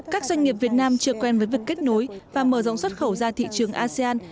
các doanh nghiệp việt nam chưa quen với việc kết nối và mở rộng xuất khẩu ra thị trường asean